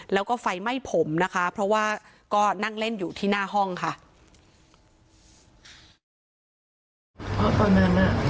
แล้วก็ไฟไหม้ผมนะคะเพราะว่าก็นั่งเล่นอยู่ที่หน้าห้องค่ะ